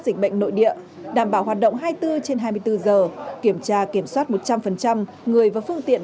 dịch bệnh nội địa đảm bảo hoạt động hai mươi bốn trên hai mươi bốn giờ kiểm tra kiểm soát một trăm linh người và phương tiện